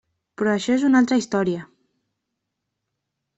Però això és una altra història.